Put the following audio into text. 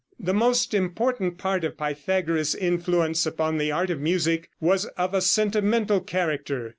The most important part of Pythagoras' influence upon the art of music was of a sentimental character.